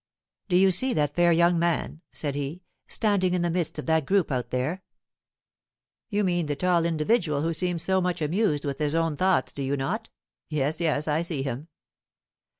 "Do you see that fair young man," said he, "standing in the midst of that group out there?" "You mean the tall individual who seems so much amused with his own thoughts, do you not? Yes, yes, I see him."